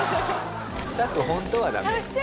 スタッフ「本当？」はダメよ。